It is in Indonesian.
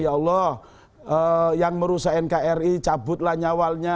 ya allah yang merusak nkri cabutlah nyawalnya